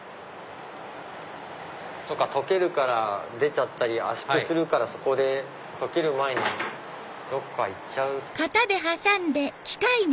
そっか溶けるから出ちゃったり圧縮するからそこで溶ける前にどっか行っちゃうってことか。